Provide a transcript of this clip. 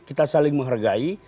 kita saling menghargai